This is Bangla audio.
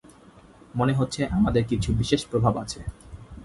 মনে হচ্ছে আমাদের কিছু বিশেষ প্রভাব আছে।